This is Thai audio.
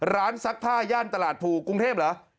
ซักผ้าย่านตลาดภูกรุงเทพเหรอ